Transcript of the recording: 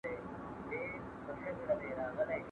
¬ تر ورخ تېري اوبه بيرته نه را گرځي.